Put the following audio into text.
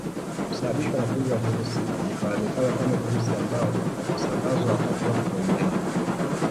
Husababishwa na kundi la virusi lifahamikalo kama virusi ambao husambazwa wakati wa kujamiiana